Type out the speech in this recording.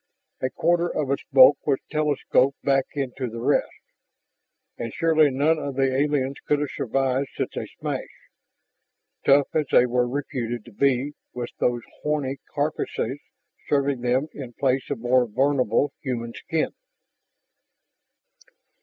A quarter of its bulk was telescoped back into the rest, and surely none of the aliens could have survived such a smash, tough as they were reputed to be with those horny carapaces serving them in place of more vulnerable human skin.